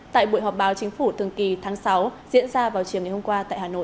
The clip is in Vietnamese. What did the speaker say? tại buổi họp báo chính phủ thường kỳ tháng sáu diễn ra vào chiều ngày hôm qua tại hà nội